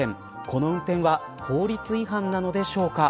この運転は法律違反なのでしょうか。